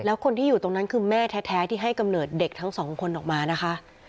แล้วคนที่อยู่ตรงนั้นคือแม่แท้ที่ให้กำเนิดเด็กทั้งสองคนออกมานะคะ